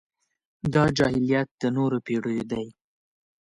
دا جاهلیت د نورو پېړيو دی.